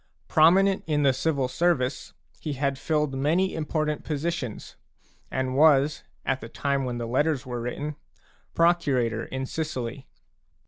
Prominent in the civil service, he had filled many important positions and was, at the time when the Letters were written, procurator in Sicily.